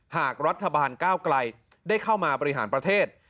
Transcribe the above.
หากรัฐบาลก้าวไกลได้เข้ามาบริหารประเทศ